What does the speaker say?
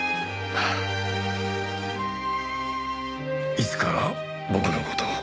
いつから僕の事を？